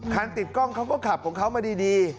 ติดกล้องเขาก็ขับของเขามาดี